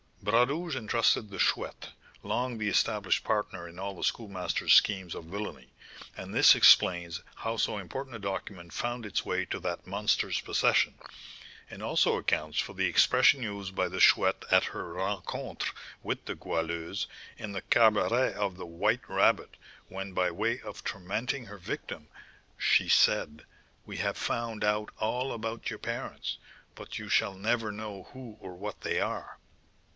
"Bras Rouge entrusted the Chouette, long the established partner in all the Schoolmaster's schemes of villainy; and this explains how so important a document found its way to that monster's possession, and also accounts for the expression used by the Chouette at her rencontre with the Goualeuse in the cabaret of the White Rabbit, when, by way of tormenting her victim, she said, 'We have found out all about your parents, but you shall never know who or what they are.'